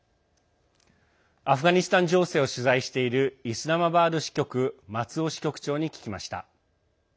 アフガニスタン情勢を取材しているイスラマバード支局松尾支局長に聞きました。